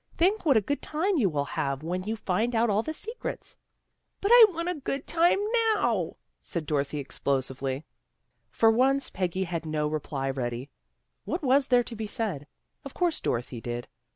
Think what a good time you will have when you find out all the secrets." " But I want a good tune now," said Dorothy explosively. For once Peggy had no reply ready. What was there to be said? Of course Dorothy did.